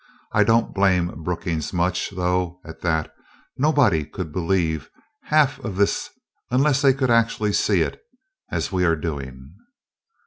I don't blame Brookings much, though, at that nobody could believe half of this unless they could actually see it, as we are doing."